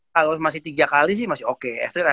kalau masih tiga kali sih masih oke